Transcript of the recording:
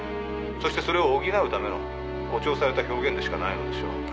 そしてそれを補うための誇張された表現でしかないのでしょう。